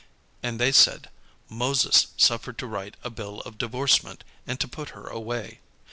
And they said, "Moses suffered to write a bill of divorcement, and to put her away."